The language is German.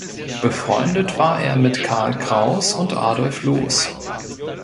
Befreundet war er mit Karl Kraus und Adolf Loos.